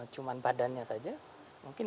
cuma badannya saja mungkin